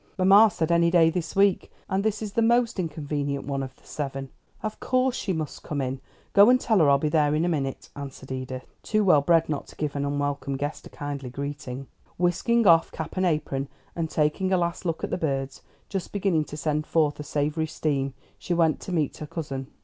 Mamma said any day this week, and this is the most inconvenient one of the seven. Of course, she must come in. Go and tell her I'll be there in a minute," answered Edith, too well bred not to give even an unwelcome guest a kindly greeting. Whisking off cap and apron, and taking a last look at the birds, just beginning to send forth a savory steam, she went to meet her cousin.